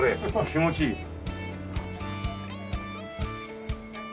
気持ちいいよ。